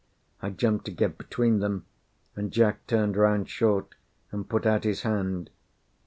I jumped to get between them, and Jack turned round short, and put out his hand.